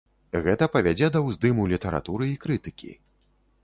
Гэта павядзе да ўздыму літаратуры і крытыкі.